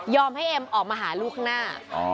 ยอมให้เอมออกมาหาลูกหน้า